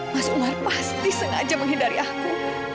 mas umar pasti sengaja menghindari aku